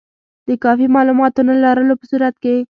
د کافي معلوماتو نه لرلو په صورت کې.